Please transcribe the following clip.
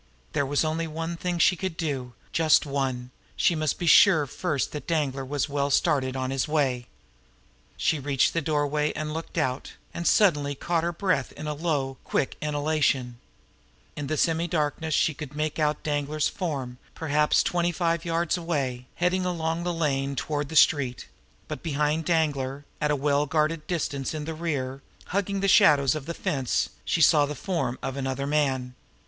There was only one thing she could do, just one; but she must be sure first that Danglar was well started on his way. She reached the doorway, looked out and suddenly caught her breath in a low, quick inhalation, In the semi darkness she could just make out Danglar's form, perhaps twenty five yards away now, heading along the lane toward the street; but behind Danglar, at a well guarded distance in the rear, hugging the shadows of the fence, she saw the form of another man.